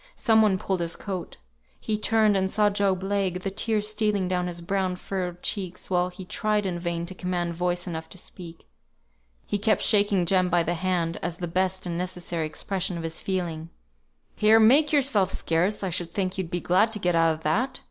Some one pulled his coat. He turned, and saw Job Legh, the tears stealing down his brown furrowed cheeks, while he tried in vain to command voice enough to speak. He kept shaking Jem by the hand as the best and necessary expression of his feeling. "Here! make yourself scarce! I should think you'd be glad to get out of that!"